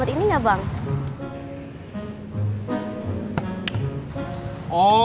can tuh ini gamut atau enggak bang